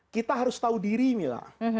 kita harus tahu diri mila